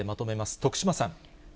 徳島さん。